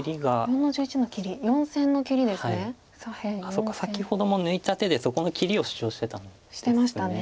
そっか先ほども抜いた手でそこの切りを主張してたんですね。